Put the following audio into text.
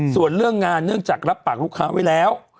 ส่วนเรื่องงานเนื่องจากรับปากลูกค้าไว้แล้ว